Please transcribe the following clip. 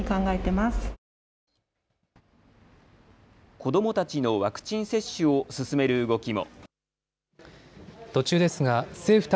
子どもたちのワクチン接種を進める動きも。